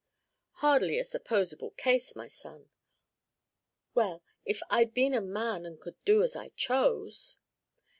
"Hardly a supposable case, my son." "Well, if I'd been a man and could do as I chose?"